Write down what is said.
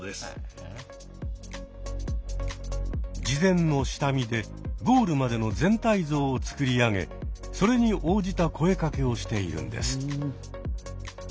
事前の下見でゴールまでの全体像をつくり上げそれに応じた声かけをしているんです。